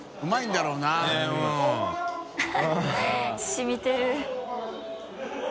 しみてる。